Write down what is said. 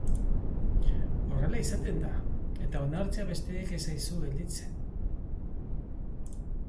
Horrela izaten da, eta onartzea besterik ez zaizu gelditzen.